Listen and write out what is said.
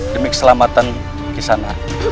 demi keselamatan kisana